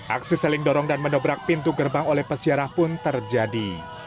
aksi seling dorong dan menobrak pintu gerbang oleh pesiarah pun terjadi